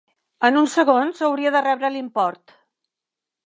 En uns segons hauria de rebre l'import.